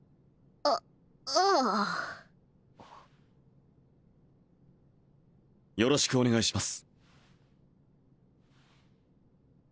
あああよろしくお願いします